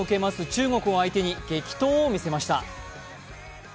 中国を相手に激闘を見せました。